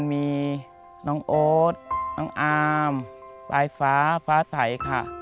มีน้องโอ๊ตน้องอามปลายฟ้าฟ้าใสค่ะ